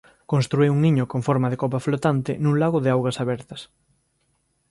Constrúe un niño con forma de copa flotante nun lago de augas abertas.